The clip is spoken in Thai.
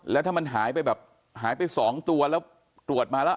แล้วถ้ามันหายไปแบบหายไป๒ตัวแล้วตรวจมาแล้ว